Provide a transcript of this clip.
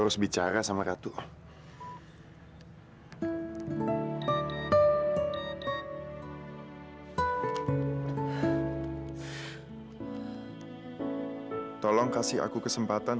saya harus pergi ke belakang